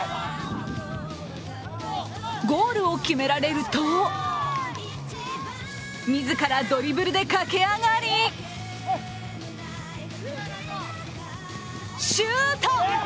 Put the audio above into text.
ゴールを決められると自らドリブルで駆け上がりシュート！